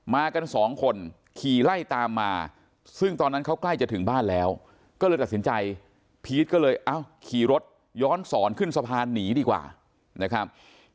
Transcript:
มากันสองคนขี่ไล่ตามมาซึ่งตอนนั้นเขาใกล้จะถึงบ้านแล้วก็เลยตัดสินใจพีชก็เลยเอ้าขี่รถย้อนสอนขึ้นสะพานหนีดีกว่านะครับ